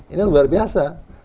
ini luar biasa